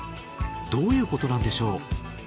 どういうことなんでしょう？